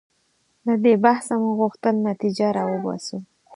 له دې بحثه مو غوښتل نتیجه راوباسو.